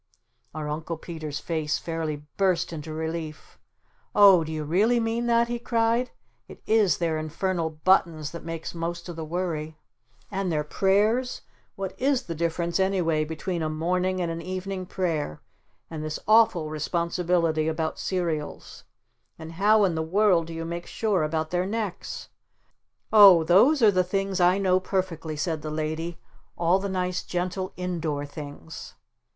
Our Uncle Peter's face fairly burst into relief. "Oh, do you really mean that?" he cried. "It IS their infernal buttons that makes most of the worry! And their prayers? What IS the difference anyway between a morning and an evening prayer? And this awful responsibility about cereals? And how in the world do you make sure about their necks?" "Oh those are the things I know perfectly," said the Lady. "All the nice gentle in door things."